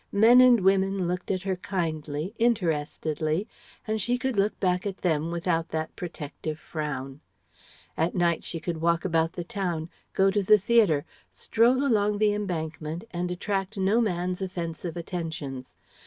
Men and women looked at her kindly, interestedly, and she could look back at them without that protective frown. At night she could walk about the town, go to the theatre, stroll along the Embankment and attract no man's offensive attentions.